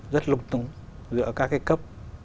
rất lúng túng giữa các cái cấp